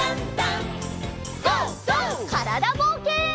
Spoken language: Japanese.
からだぼうけん。